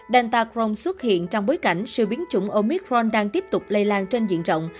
delta crohn xuất hiện trong bối cảnh sự biến chủng omicron đang tiếp tục lây lan trên diện rộng